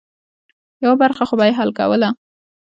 یوه برخه خو به یې حل کوله.